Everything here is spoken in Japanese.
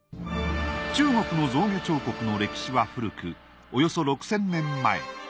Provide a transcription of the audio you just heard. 中国の象牙彫刻の歴史は古くおよそ６０００年前。